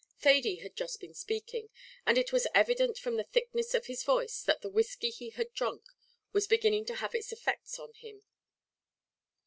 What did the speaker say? Thady had just been speaking, and it was evident from the thickness of his voice that the whiskey he had drunk was beginning to have its effects on him.